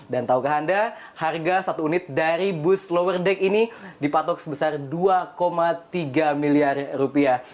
dan tahukah anda harga satu unit dari bus lower deck ini dipatok sebesar dua tiga miliar rupiah